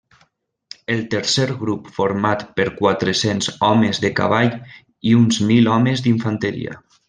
El tercer grup format per quatre-cents homes de cavall i uns mil homes d'infanteria.